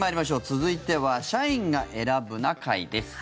続いては「社員が選ぶな会」です。